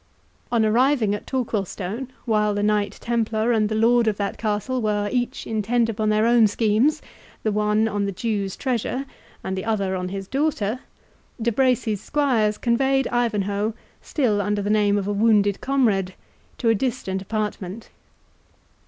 On arriving at Torquilstone, while the Knight Templar and the lord of that castle were each intent upon their own schemes, the one on the Jew's treasure, and the other on his daughter, De Bracy's squires conveyed Ivanhoe, still under the name of a wounded comrade, to a distant apartment.